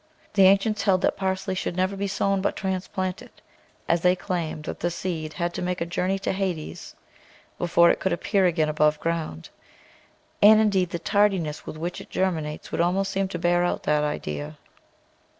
The ancients held that parsley should never be sown but transplanted, as they claimed that the seed had to make a journey to Hades before it THE VEGETABLE GARDEN could again appear above ground, and, indeed, the tardiness with which it germinates would almost seem to bear out that idea.